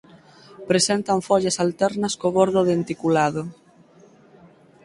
Presentan follas alternas co bordo denticulado.